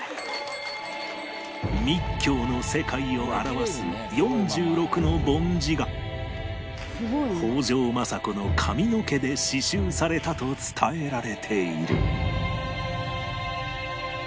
密教の世界を表す４６の梵字が北条政子の髪の毛で刺繍されたと伝えられている